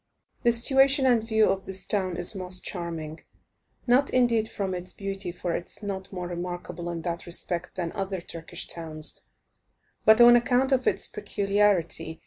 The situation and view of this town is most charming; not indeed from its beauty, for it is not more remarkable in that respect than other Turkish towns, but on account of its peculiarity.